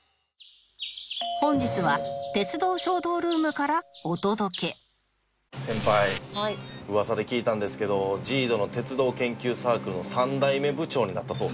本日は鉄道衝動ルームからお届け先輩噂で聞いたんですけど ＪＩＤＯ の鉄道研究サークルの３代目部長になったそうですね。